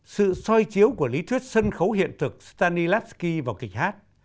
sự soi chiếu của lý thuyết sân khấu hiện thực stanislavski vào kịch hát